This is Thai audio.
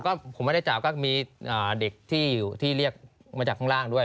ก็ผมไม่ได้จับก็มีเด็กที่เรียกมาจากข้างล่างด้วย